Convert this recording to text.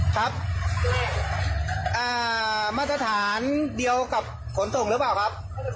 ครับมาตรฐานเดียวกับขนส่งหรือเปล่าครับ